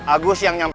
agus yang nyampe